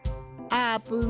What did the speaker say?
あーぷん。